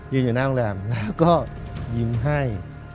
อยู่หน้าโรงแรมแล้วก็ยิ้มให้